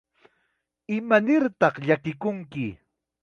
¿Imanirtaq llakikunki?